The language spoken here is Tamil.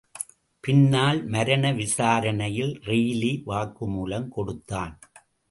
பின்னால் மரண விசாரணையில் ரெய்லி வாக்குமூலம் கொடுத்தான்.